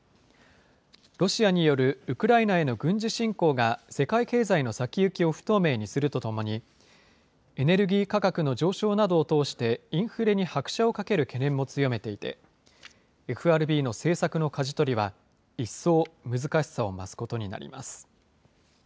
ロシアによるウクライナへの軍事侵攻が世界経済の先行きを不透明にするとともにエネルギー価格の上昇などを通してインフレに拍車をかける懸念も強めていてＦＲＢの政策のかじ取りは一層難しさを増すことになります。